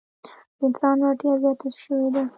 د انسان وړتیا زیاته شوې ده.